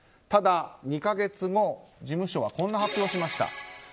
ただ、２か月後事務所はこんな発表をしました。